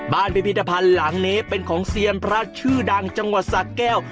พิพิธภัณฑ์หลังนี้เป็นของเซียนพระชื่อดังจังหวัดสะแก้ว